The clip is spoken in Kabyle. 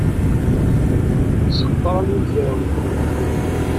Ceqqren yimezrawen-nni.